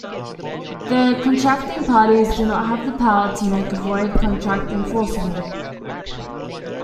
The contracting parties do not have the power to make a void contract enforceable.